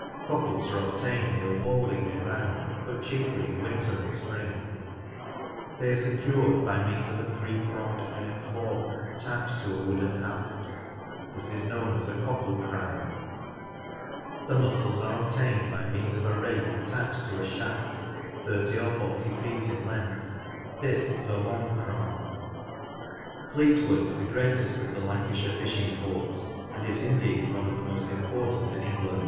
Cockles are obtained nearly all the year round, but chiefly in winter and spring. They are secured by means of a three pronged iron fork attached to a wooden haft : this is known as a " cockle craam." 7—2 Furnace, Ulverston Ironworks INDUSTRIES AND MANUFACTURES 101 The mussels are obtained by means of a rake attached to a shaft thirty or forty feet in length: this is a "long craam." Fleetwood is the greatest of the Lancashire fishing ports, and is indeed one of the most important in England.